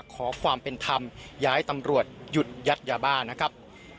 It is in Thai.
ขอความเป็นธรรมย้ายตำรวจหยุดยัดยาบ้านะครับ